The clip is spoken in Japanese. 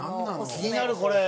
気になるこれ。